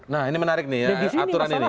nah ini menarik nih ya aturan ini